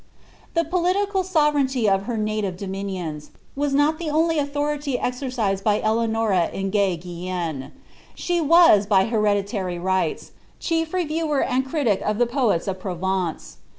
The political sovereignty of her native dominions, was not the only anthority exercised by Eleanora in ^ gay Guienne." She was, by here ditary riffht, chief reviewer and critic of the poets of Provence.